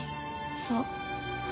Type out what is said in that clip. そう。